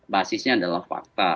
basisnya adalah fakta